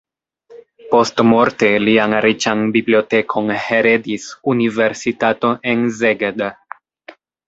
Postmorte lian riĉan bibliotekon heredis universitato en Szeged.